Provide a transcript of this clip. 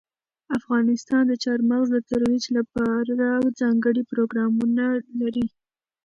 افغانستان د چار مغز د ترویج لپاره ځانګړي پروګرامونه لري.